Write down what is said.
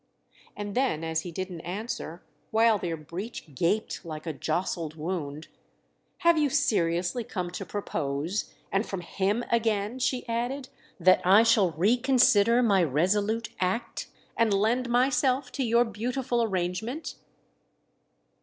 And then as he didn't answer, while their breach gaped like a jostled wound, "Have you seriously come to propose—and from him again," she added—"that I shall reconsider my resolute act and lend myself to your beautiful arrangement?"